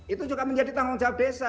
itu juga menjadi tanggung jawab desa